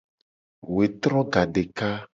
Wetro gadeka.